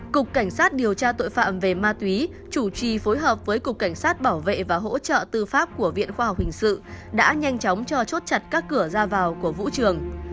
cục cảnh sát điều tra tội phạm về ma túy chủ trì phối hợp với cục cảnh sát bảo vệ và hỗ trợ tư pháp của viện khoa học hình sự đã nhanh chóng cho chốt chặt các cửa ra vào của vũ trường